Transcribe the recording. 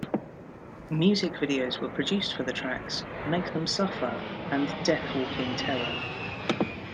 Music videos were produced for the tracks "Make Them Suffer" and "Death Walking Terror".